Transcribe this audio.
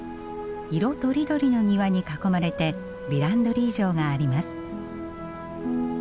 色とりどりの庭に囲まれてヴィランドリー城があります。